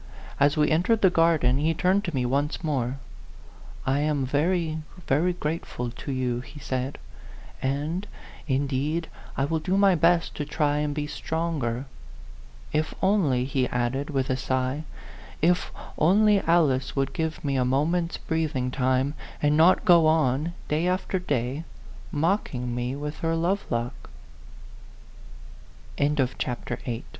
As we entered the garden, he turned to me once more. " I am very, very grateful to you," he said, "and, indeed, I will do my best to try and be stronger. If only," he added, with a sigh, " if only Alice would give me a mo ment's breathing time, and not go on, day after day, mocking